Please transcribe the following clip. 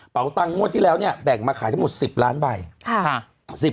ตังงวดที่แล้วเนี่ยแบ่งมาขายทั้งหมด๑๐ล้านใบ